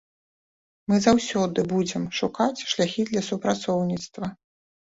Мы заўсёды будзем шукаць шляхі для супрацоўніцтва.